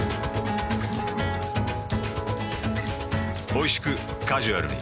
おいしくカジュアルに。